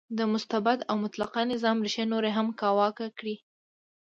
د مستبد او مطلقه نظام ریښې نورې هم کاواکه کړې.